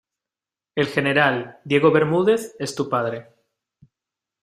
el general Diego Bermúdez es tu padre.